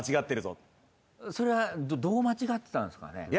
それはどう間違ってたんですかね？